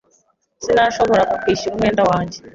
Sinashoboraga kwishyura umwenda wanjye.